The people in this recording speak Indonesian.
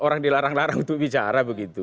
orang dilarang larang untuk bicara begitu